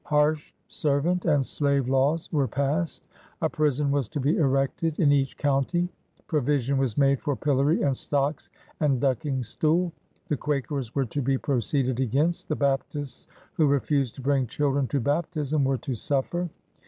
Harsh servant and slave laws were passed. A prison was to be erected in each county; provision was made for pillory and stocks and duddng stool; the Quakers were to be proceeded against; the Baptists who refused to bring children to baptism were to suffer.